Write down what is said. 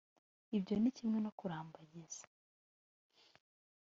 ibyo ni kimwe no kurambagiza